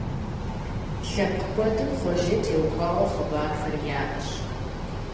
Лъэпкъ куэдым Хъуэжэ теухуа хъыбархэр яӀэщ.